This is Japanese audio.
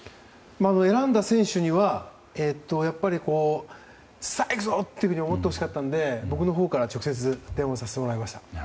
選んだ選手にはやっぱり、さあ行くぞ！と思ってほしかったので僕のほうから直接電話させていただきました。